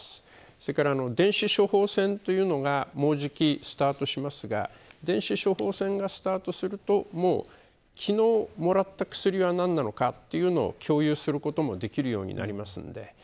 それから電子処方箋というのがもうじきスタートしますが電子処方箋がスタートすると昨日もらった薬は何なのかというのを共有することもできるようになります。